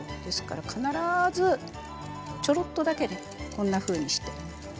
ですから必ずちょろっとだけこんなふうにして。